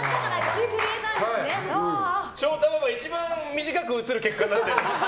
翔太パパ、一番短く映る結果になっちゃいました。